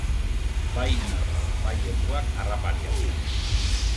Bai ninfak, bai helduak, harrapariak dira.